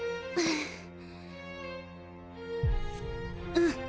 うん！